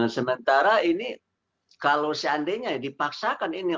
sementara ini kalau seandainya dipaksakan ini